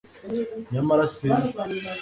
nyamara sinzi